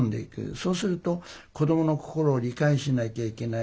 そうすると子どもの心を理解しなきゃいけない。